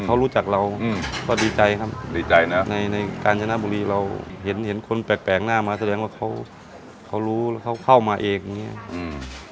เขารู้จักเราอืมก็ดีใจครับดีใจนะในในการชนะบุรีเราเห็นเห็นคนแปลกแปลกหน้ามาแสดงว่าเขาเขารู้แล้วเขาเข้ามาเองอย่างเงี้ยอืม